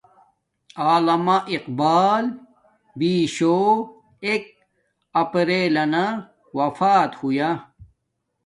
علامہ اقبال بیشو ایک اپریل لنا وفات ہویا